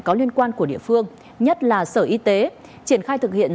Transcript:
có liên quan của địa phương nhất là sở y tế triển khai thực hiện